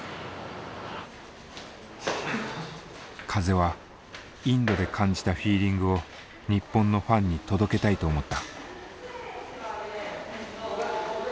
風はインドで感じたフィーリングを日本のファンに届けたいと思った。